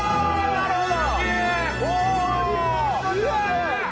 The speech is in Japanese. なるほど！